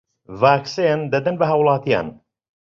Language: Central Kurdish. ڤاکسین دەدەن بە هاووڵاتیان